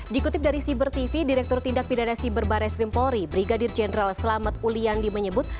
dikutip dari sibertv direktur tindak pindahnya siber barreskrim polri brigadir jenderal selamat uli andi menyebut